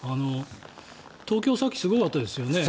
東京さっきすごかったですよね。